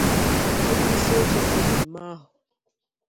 onyeisioche na mmemme ahụ